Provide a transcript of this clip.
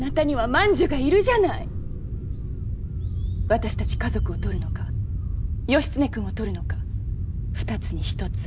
私たち家族を取るのか義経くんを取るのか二つに一つ。